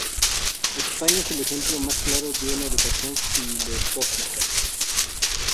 España es el ejemplo más claro de una educación filosófica.